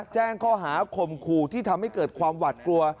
แจ้งข้อหาข่มขู่ที่ทำให้เกิดความหวัดกลัว